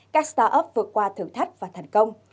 các start up vượt qua thử thách và thành công